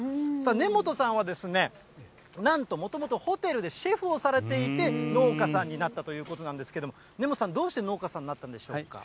根本さんは、なんともともとホテルでシェフをされていて、農家さんになったということなんですけども、根本さん、どうして農家さんになったんでしょうか。